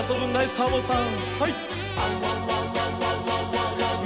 サボさん。